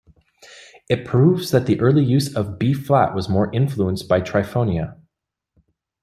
It proves that the early use of b flat was more influenced by triphonia.